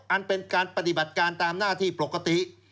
อันเป็นการปฏิบัติการตามหน้าที่ปกติ